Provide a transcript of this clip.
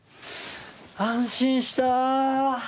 安心した！